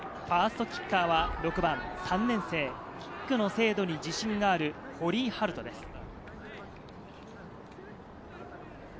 ファーストキッカーは６番・３年生、キックの精度に自信がある堀井榛人です。